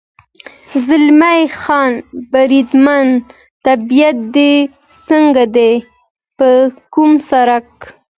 زلمی خان: بریدمنه، طبیعت دې څنګه دی؟ پر کوم سړک.